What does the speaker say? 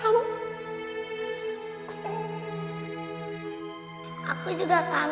ada ada satu paham